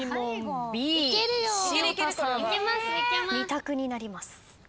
２択になります。